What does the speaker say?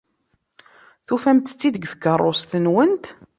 Tufamt-tt-id deg tkeṛṛust-nwent?